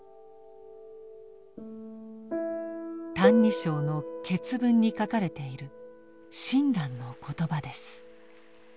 「歎異抄」の「結文」に書かれている親鸞の言葉です。